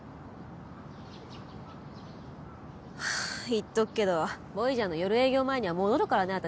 はあ言っとくけどＶＯＹＡＧＥＲの夜営業前には戻るからね私。